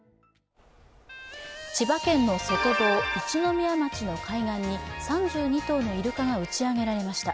千葉県の外房、一宮町の海岸に３２頭のイルカが打ち上げられました。